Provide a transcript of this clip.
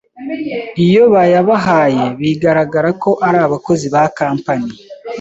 Iyo bayabahaye bigaragara ko ari abakozi ba Company